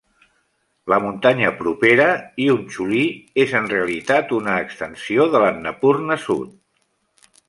La muntanya propera Hiunchuli és en realitat una extensió d'Annapurna sud.